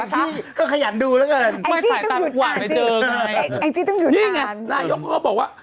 อันที่ขยันดูแล้วกันสายตาทุกขวานไปเจอไงนี่ไงนายยกว่า